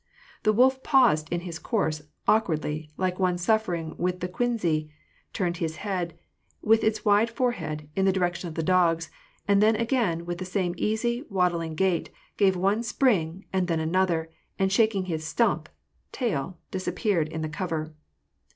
The wolf paused in his course, awkwardly, like one suffering with the quinsy, turned his head, with its wide forehead, in the direction of the dogs, and then again with the same easy, waddling gait, gave one spring, and then another, and shaking his " stump " (tail), disappeared in the cover.